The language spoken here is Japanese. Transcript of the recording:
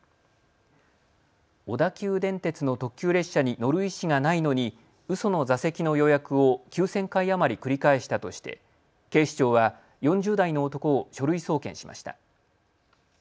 小田急電鉄の特急列車に乗る意思がないのにうその座席の予約を９０００回余り繰り返したとして警視庁は４０代の男を書類送検しました。